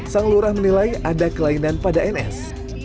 sang lurah menilai ada kelainan pada ns